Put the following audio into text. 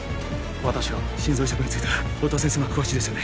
私が心臓移植については音羽先生が詳しいですよね